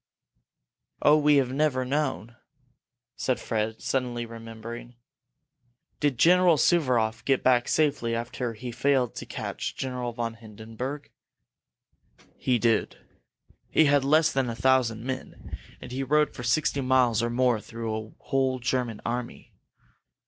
"Oh, we have never known!" said Fred, suddenly remembering. "Did General Suvaroff get back safely after he failed to catch General von Hindenburg?" "He did! He had less than a thousand men, and he rode for sixty miles or more through a whole German army!